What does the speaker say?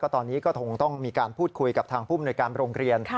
ตอนนี้ก็คงต้องมีการพูดคุยกับทางผู้มนวยการโรงเรียน